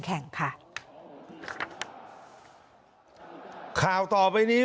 คุณสิริกัญญาบอกว่า๖๔เสียง